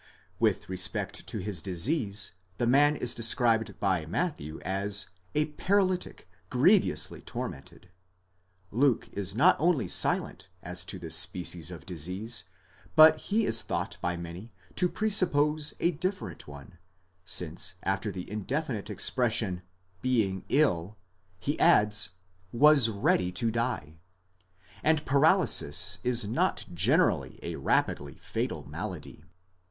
With respect to his disease, the man is described by Matthew as παραλυτικὸς δεινῶς βασανιζόμενος ὦ para lytic grievously tormented ; Luke is not only silent as to this species of disease, but he is thought by many to presuppose a different one, since after the indefinite expression κακῶς ἔχων, being ill, he adds, ἤμελλε τελευτᾶν, was ready to die, and paralysis is not generally a rapidly fatal malady.